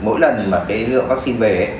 mỗi lần mà cái lượng vaccine về